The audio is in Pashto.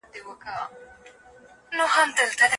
د درو په منځ کې د شپېلۍ غږ اورېدل کېږي.